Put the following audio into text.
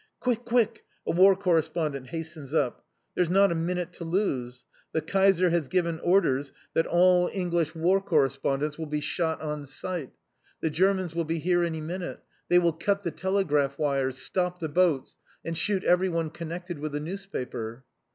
"Quick! Quick!" A War Correspondent hastens up. "There's not a minute to lose. The Kaiser has given orders that all English War Correspondents will be shot on sight. The Germans will be here any minute. They will cut the telegraph wires, stop the boats, and shoot everyone connected with a newspaper."